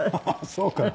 そうか。